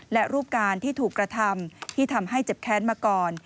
และรูปการที่ถูกกระทำที่ทำให้เจ็บแค้นมาก่อน